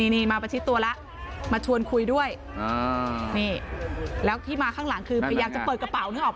นี่มาประชิดตัวแล้วมาชวนคุยด้วยนี่แล้วที่มาข้างหลังคือพยายามจะเปิดกระเป๋านึกออก